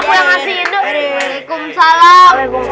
aku ketingin nanti kamu n shaqit